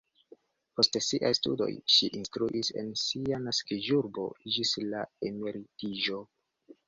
Post siaj studoj ŝi instruis en sia naskiĝurbo ĝis la emeritiĝo.